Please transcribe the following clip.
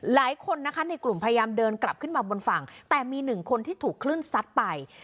หลายคนนะคะในกลุ่มพยายามเดินกลับขึ้นมาบนฝั่งแต่มีหนึ่งคนที่ถูกคลื่นซัดไป